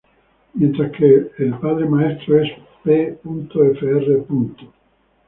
Mientras que el padre maestro es P. Fr.